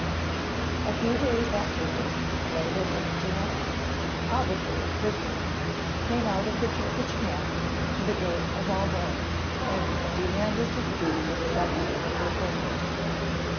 A few days after this a native of Genoa probably a prisoner came out of the Turkish camp to the gate of Auvergne and demanded to speak with someone in authority.